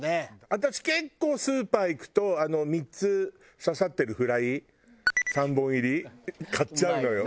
私結構スーパー行くと３つ刺さってるフライ３本入り買っちゃうのよ。